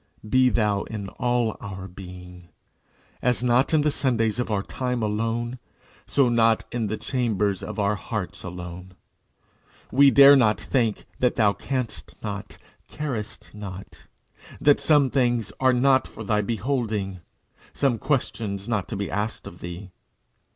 be thou in all our being; as not in the Sundays of our time alone, so not in the chambers of our hearts alone. We dare not think that thou canst not, carest not; that some things are not for thy beholding, some questions not to be asked of thee.